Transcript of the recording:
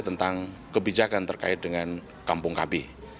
tentang kebijakan terkait dengan kampung kb